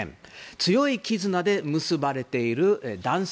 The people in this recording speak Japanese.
強い絆で結ばれている男性